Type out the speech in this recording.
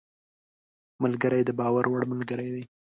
ملګری د باور وړ ملګری دی